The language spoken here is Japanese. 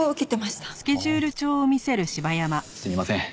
すみません